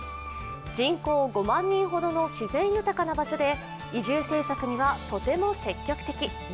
人口５万人ほどの自然豊かな場所で移住政策にはとても積極的。